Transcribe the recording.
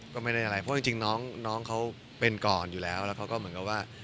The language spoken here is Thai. ก็ไม่ได้อะไรเพราะจริงน้องเขาเป็นก่อนอยู่แล้วแล้วเขาก็เหมือนกับว่า